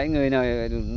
người này đúng